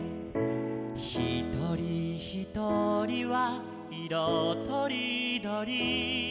「ひとりひとりはいろとりどり」